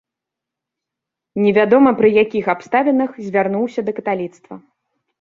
Невядома пры якіх абставінах звярнуўся да каталіцтва.